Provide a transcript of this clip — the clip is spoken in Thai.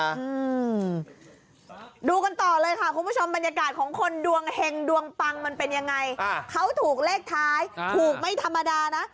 อืมดูกันต่อเลยค่ะคุณผู้ชมบรรยากาศของคนดวงเห็งดวงปังมันเป็นยังไงเขาถูกเลขท้ายถูกไม่ธรรมดานะ